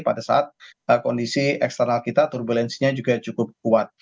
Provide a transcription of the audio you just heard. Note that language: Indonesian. pada saat kondisi eksternal kita turbulensinya juga cukup kuat